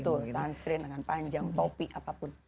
betul sunscreen lengan panjang kopi apapun